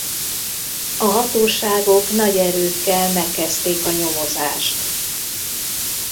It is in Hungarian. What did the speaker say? A hatóságok nagy erőkkel megkezdték a nyomozást.